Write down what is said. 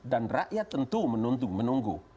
dan rakyat tentu menunggu